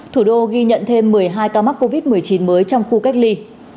thủ đô ghi nhận thêm một mươi hai ca mắc covid một mươi chín mới trong khu cách ly